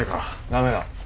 駄目だ。